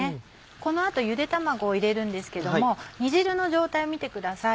この後ゆで卵を入れるんですけども煮汁の状態を見てください。